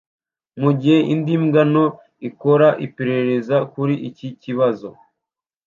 mu gihe indi mbwa nto ikora iperereza kuri iki kibazo